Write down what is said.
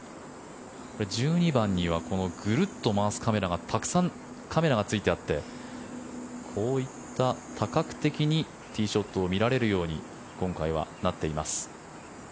１２番にはグルッと回すカメラがたくさんカメラがついてあってこういった多角的にティーショットを見られるように今回はなっています。